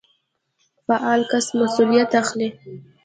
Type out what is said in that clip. فعال کس مسوليت اخلي.